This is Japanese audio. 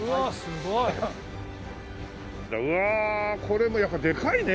うわこれもやっぱでかいね。